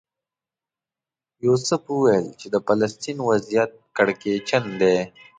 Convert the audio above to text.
یوسف وویل چې د فلسطین وضعیت کړکېچن دی.